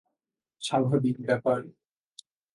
স্বাভাবিক ব্যাপার।